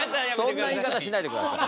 そんな言い方しないでください。